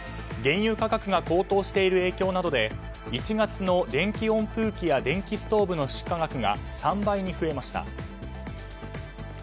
原油価格が高騰している影響などで１月の電気温風機や電気ストーブの出荷額が３倍に増えました。